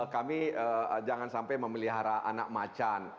kami jangan sampai memelihara anak macan